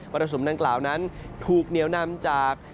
เวลาสุมดังกล่าวนั้นถูกเดี๋ยวนำจาก